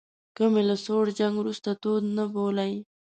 که مې له سوړ جنګ وروسته تود نه بولئ.